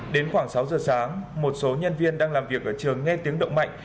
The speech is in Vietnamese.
đến khoảng sáu giờ sáng một số nhân viên đang làm việc ở trường nghe tiếng động mạnh